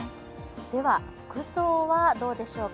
では、服装はどうでしょうか。